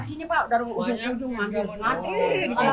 sini pak udah rungut